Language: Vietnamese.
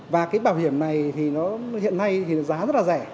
và cái bảo hiểm này thì nó hiện nay thì giá rất là rẻ